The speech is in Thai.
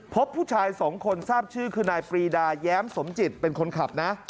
พบผู้ชายสองคนทราบชื่อคือนายปรีดาแย้มสมจิตเป็นคนขับนะ